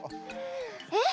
えっ？